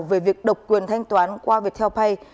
về việc độc quyền thanh toán qua viettel pay